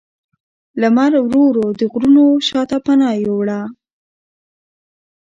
لمر ورو ورو د غرونو شا ته پناه یووړه